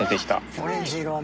オレンジ色はね